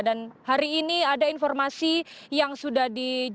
dan hari ini ada informasi yang sudah diberitahukan kepada kami